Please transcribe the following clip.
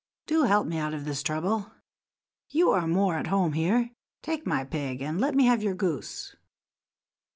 "Do help me out of this trouble. You are more at home here; take my pig, and let me have your goose."